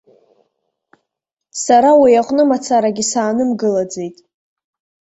Сара уи аҟны мацарагьы саанымгылаӡеит.